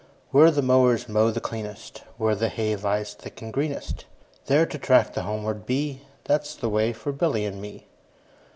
Where the mowers mow the cleanest, Where the hay lies thick and greenest, 10 There to track the homeward bee, That 's the way for Billy and me.